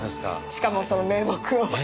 しかも、その名木を。